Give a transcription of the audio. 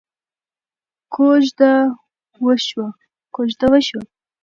کوژده وشوه.